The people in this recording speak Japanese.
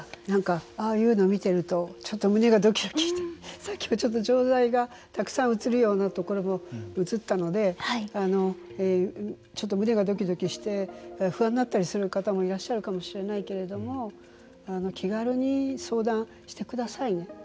なんかああいうのを見ているとちょっと胸がどきどきしてさっきもちょっと錠剤がたくさん映るようなところも映ったのでちょっと胸がどきどきして不安になったりする方もいらっしゃるかもしれないけれども気軽に相談してくださいね。